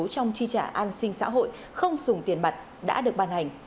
trong chi trả an sinh xã hội không dùng tiền mặt đã được ban hành